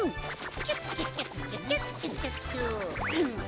キュッキュキュッキュキュッキュキュッキュ。